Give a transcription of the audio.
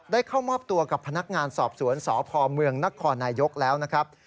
ได้เข้ามอบตัวกับพนักงานสอบสวนสพเมนนยแล้วนะครับ